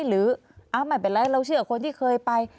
หรือไม่เป็นไรเราเชื่อคนที่เคยไป